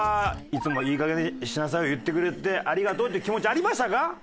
いつも「いいかげんにしなさい」を言ってくれてありがとうっていう気持ちありましたか？